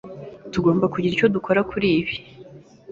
Tugomba kugira icyo dukora kuri ibi.